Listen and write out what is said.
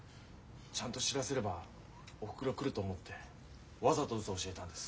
ちゃんと知らせればおふくろ来ると思ってわざとうそ教えたんです。